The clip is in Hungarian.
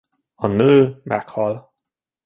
A nő meghal.